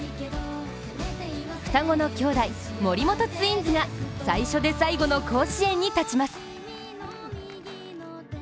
双子のきょうだい、森本ツインズが最初で最後の甲子園に立ちます。